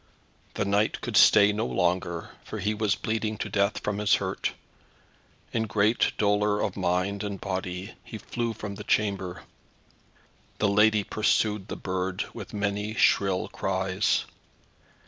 The knight could stay no longer, for he was bleeding to death from his hurt. In great dolour of mind and body he flew from the chamber. The lady pursued the bird with many shrill cries.